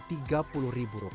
ketika kambing terbentuk